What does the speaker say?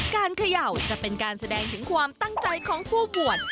เขย่าจะเป็นการแสดงถึงความตั้งใจของผู้บวช